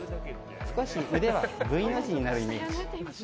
少し腕はＶの字になるイメージ。